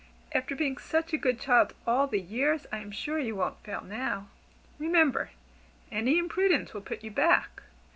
After being such a good child all the years, I am sure you won't fail now. Remember, any imprudence will put you back.